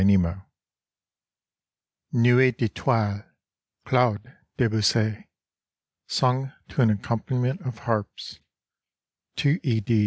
97 "NUIT D'ETOILES": CLAUDE DEBUSSY {Sung to an accompaniment of harps) TO E.